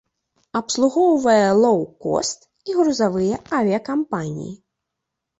Абслугоўвае лоў-кост і грузавыя авіякампаніі.